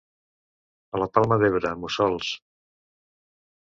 A la Palma d'Ebre, mussols.